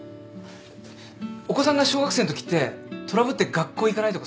お子さんが小学生のときってトラブって学校行かないとかそういうのありました？